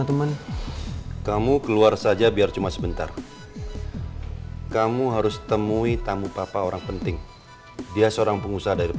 dan kalau perlu nih ya kalau misalnya ada kelas sore